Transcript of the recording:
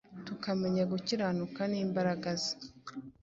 tukamenya gukiranuka n’imbaraga Ze.